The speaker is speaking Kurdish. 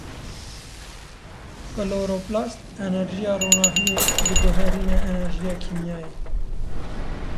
Kloroplast enerjiya ronahiyê diguherîne enerjiya kîmyayê